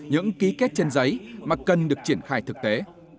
những ký kết trên giấy mà cần được triển khai thực tế